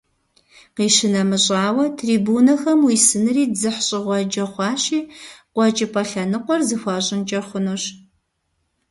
КъищынэмыщӀауэ, трибунэхэм уисынри дзыхьщӀыгъуэджэ хъуащи, «КъуэкӀыпӀэ» лъэныкъуэр зэхуащӀынкӀэ хъунущ.